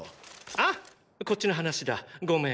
あこっちの話だごめん。